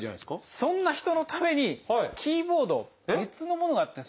そんな人のためにキーボード別のものがあって。